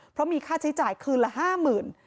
เพราะมีค่าใช้จ่ายคืนละ๕๐๐๐บาท